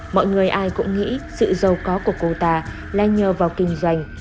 mọi người ai cũng nghĩ sự giàu có của cô ta là nhờ vào kinh doanh